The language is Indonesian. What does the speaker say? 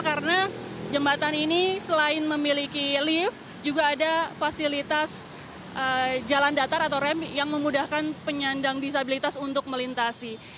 karena jembatan ini selain memiliki lift juga ada fasilitas jalan datar atau rem yang memudahkan penyandang disabilitas untuk melintasi